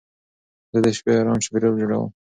زه د شپې ارام چاپېریال جوړوم.